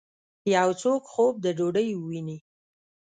یو څوک خوب د ډوډۍ وویني